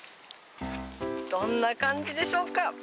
どんな感じでしょうか。